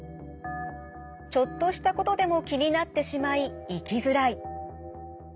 ちょっとしたことでも気になってしまい生きづらい。